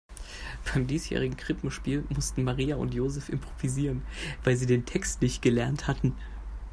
Beim diesjährigen Krippenspiel mussten Maria und Joseph improvisieren, weil sie den Text nicht gelernt hatten.